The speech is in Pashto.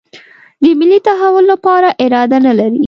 د ملي تحول لپاره اراده نه لري.